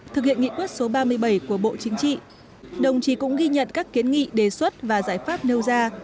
thực hiện nghị quyết số ba mươi bảy của bộ chính trị đồng chí cũng ghi nhận các kiến nghị đề xuất và giải pháp nêu ra